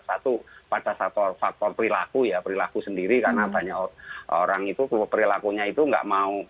satu pada faktor perilaku ya perilaku sendiri karena banyak orang itu perilakunya itu nggak mau